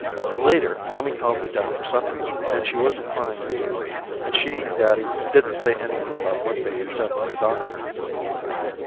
Later mommy called me down for supper, and she wasn't crying any more, and she and daddy didn't say anything about what they had said to the doctor.